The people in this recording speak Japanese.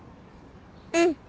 うん。